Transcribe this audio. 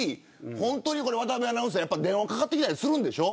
本当に、渡邊アナウンサー電話かかってきたりするんでしょ。